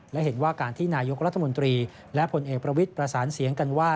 และเห็นว่าการที่นายกรัฐมนตรีและผลเอกประวิทย์ประสานเสียงกันว่า